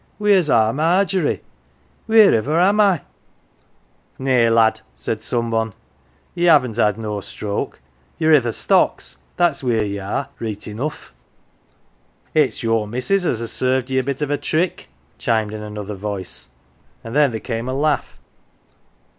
" Wheer's our Margery ? Wheeriver am I ?" 128 THE GILLY F'ERS" " Nay, lad," said some one, " ye haven't had no stroke. YeYe T th 1 stocks, that's wheer ye are, reet enough."" " Ifs your missus as has served ye a bit of a trick," chimed in another voice, and then there came a laugh.